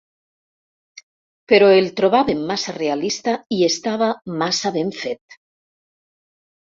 Però el trobàvem massa realista i estava massa ben fet.